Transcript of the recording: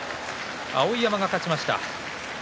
碧山が勝ちました。